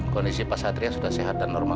kondisi pak satria sudah sehat dan normal